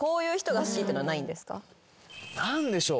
何でしょう。